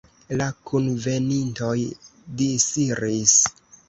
La kunvenintoj disiris.